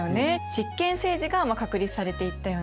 執権政治が確立されていったよね。